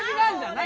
何？